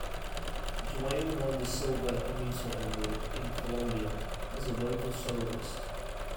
Dwayne won the Silver Ermita award, in Colombia, as a vocal soloist.